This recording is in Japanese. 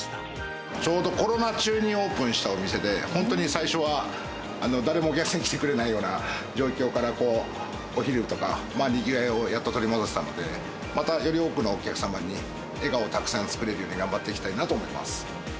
ちょうどコロナ中にオープンしたお店で、本当に最初は誰もお客さん来てくれないような状況から、お昼とか、にぎわいをやっと取り戻したので、またより多くのお客様に、笑顔をたくさん作れるように頑張っていきたいなと思います。